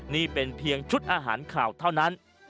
นี่เป็นเพียงชุดอาหารขาวเท่านั้น